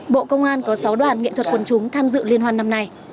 bộ công an có sáu đoàn nghệ thuật quần chúng tham dự liên hoan năm nay